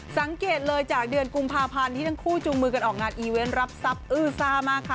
สังเกตเลยจากเดือนกุมภาพันธ์ที่ทั้งคู่จูงมือกันออกงานอีเวนต์รับทรัพย์อื้อซ่ามากค่ะ